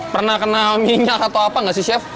pernah kena minyak atau apa gak sih chef